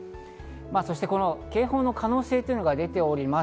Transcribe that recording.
そして警報の可能性というのが出ております。